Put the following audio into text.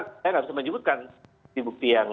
saya nggak bisa menyebutkan bukti bukti yang